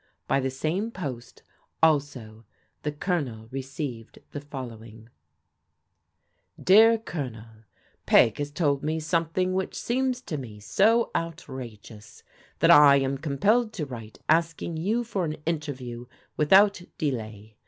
By the same post, also, the Colonel received the fol lowing: "Dear Colonel: " Peg has told me something which seems to me so outrageous, that I am compelled to write asking you for an interview without delay.